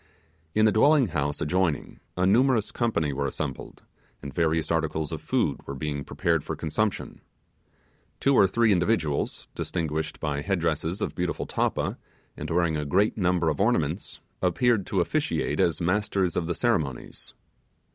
In the dwelling house adjoining a numerous company we assembled, and various articles of food were being prepared for consumption. Two or three individuals, distinguished by head dresses of beautiful tappa, and wearing a great number of ornaments, appeared to officiate as masters of the ceremonies.